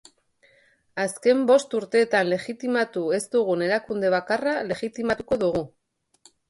Azken bost urteetan legitimatu ez dugun erakunde bakarra legitimatuko dugu.